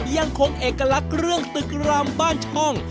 ยังคงเอกลักษณ์เรื่องตึกรำบ้านช่อง